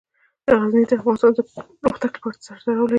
غزني د افغانستان د تکنالوژۍ پرمختګ سره تړاو لري.